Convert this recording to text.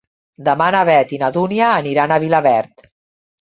Demà na Beth i na Dúnia aniran a Vilaverd.